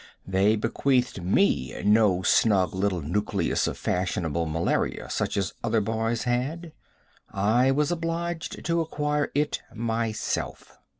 They bequeathed me no snug little nucleus of fashionable malaria such as other boys had. I was obliged to acquire it myself.